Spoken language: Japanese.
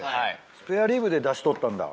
スペアリブでダシ取ったんだ。